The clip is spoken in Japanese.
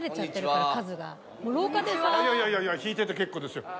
いやいやいやいや弾いてて結構ですよ。